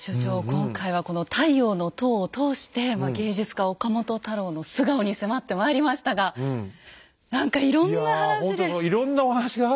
今回はこの「太陽の塔」を通して芸術家・岡本太郎の素顔に迫ってまいりましたが何かいろんな話で。